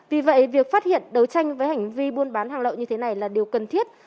vì vậy việc phát hiện đấu tranh với hành vi buôn bán hàng lậu như thế này là điều cần thiết